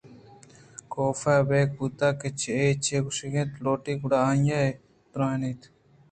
کاف ابکہّ بوت کہ آ چے گوٛشگ لوٹیت گڑا آئی ءَ درّائینت